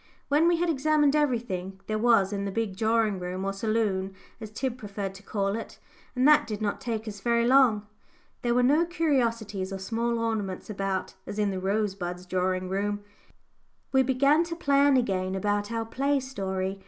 When we had examined everything there was in the big drawing room, or saloon, as Tib preferred to call it and that did not take us very long; there were no curiosities or small ornaments about, as in the Rosebuds drawing room we began to plan again about our play story.